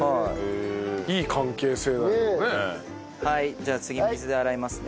じゃあ次水で洗いますね。